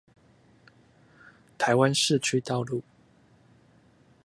台灣市區道路